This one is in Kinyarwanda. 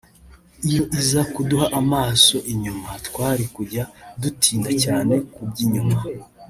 iyo iza kuduha amaso inyuma twari kujya dutinda cyane ku by’inyuma